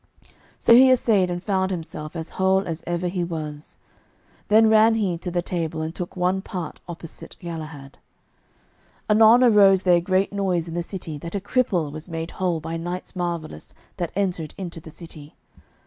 So he assayed, and found himself as whole as ever he was. Then ran he to the table, and took one part opposite Galahad. Anon arose there great noise in the city, that a cripple was made whole by knights marvellous that entered into the city.